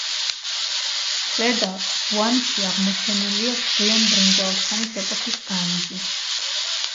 ზედა ბზვანში აღმოჩენილია გვიან ბრინჯაოს ხანის ეპოქის განძი.